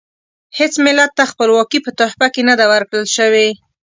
هیڅ ملت ته خپلواکي په تحفه کې نه ده ورکړل شوې.